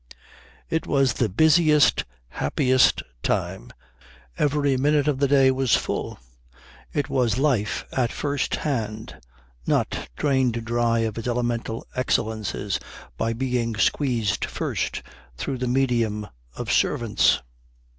It was the busiest, happiest time. Every minute of the day was full. It was life at first hand, not drained dry of its elemental excellences by being squeezed first through the medium of servants.